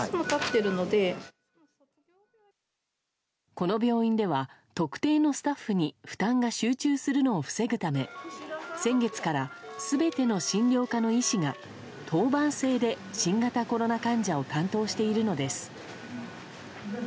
この病院では特定のスタッフに負担が集中するのを防ぐため先月から全ての診療科の医師が当番制で新型コロナ患者を担当しているのです。